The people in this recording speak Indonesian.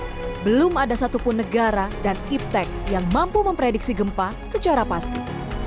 bnpb meminta masyarakat untuk mengambil informasi tentang gempa dan iptec yang mampu memprediksi gempa secara pasti